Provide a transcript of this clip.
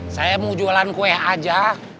saya mau jualan kue aja